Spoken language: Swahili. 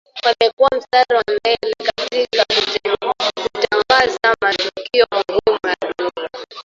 Wamekua mstari wa mbele katika kutangaza matukio muhimu ya dunia